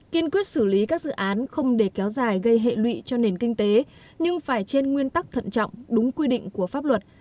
kiên quyết xử lý các dự án không để kéo dài gây hệ lụy cho nền kinh tế nhưng phải trên nguyên tắc thận trọng đúng quy định của pháp luật